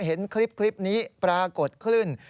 เห็นคลิปนี้ปรากฏขึ้น